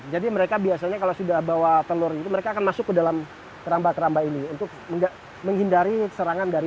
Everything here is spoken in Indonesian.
jadi mereka biasanya kalau sudah bawa telur itu mereka akan masuk ke dalam keramba keramba ini untuk menghindari serangan dari